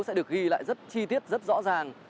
sẽ được ghi lại rất chi tiết rất rõ ràng